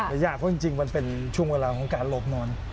ยากเพราะจริงมันเป็นช่วงเวลาของการหลบนอน